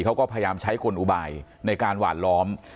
เขาก็พยายามใช้กลอุบายในการหวานล้อม